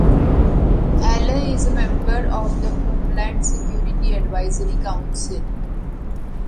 Allen is a member of the Homeland Security Advisory Council.